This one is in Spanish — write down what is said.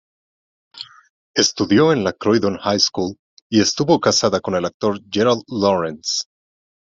Estudió en la Croydon High School y estuvo casada con el actor Gerald Lawrence.